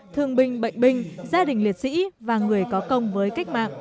thương binh bệnh binh gia đình liệt sĩ và người có công với cách mạng